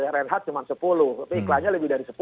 renhad cuma sepuluh tapi iklannya lebih dari